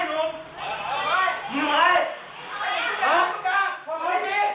สวัสดีครับ